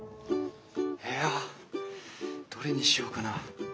いやどれにしようかな。